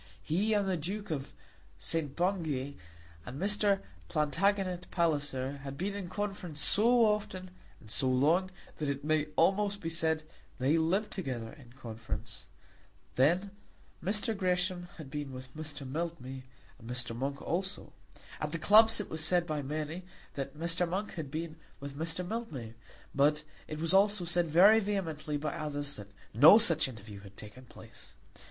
He and the Duke of St. Bungay, and Mr. Plantagenet Palliser, had been in conference so often, and so long, that it may almost be said they lived together in conference. Then Mr. Gresham had been with Mr. Mildmay, and Mr. Monk also. At the clubs it was said by many that Mr. Monk had been with Mr. Mildmay; but it was also said very vehemently by others that no such interview had taken place.